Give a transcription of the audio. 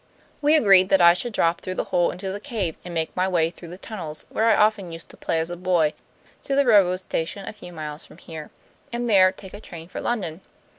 "We agreed that I should drop through the hole into the cave, and make my way through the tunnels, where I often used to play as a boy, to the railway station a few miles from here, and there take a train for London.